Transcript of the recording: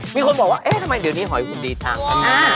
มีคนบอกว่าเอ๊ะทำไมเดี๋ยวนี้หอยหุ่นดีทางกันนะ